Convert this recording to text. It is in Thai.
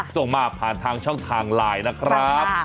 ส่งมาผ่านทางช่องทางไลน์นะครับ